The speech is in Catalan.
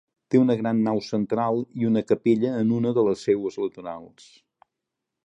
Té una gran nau central i una capella en una de les seues laterals.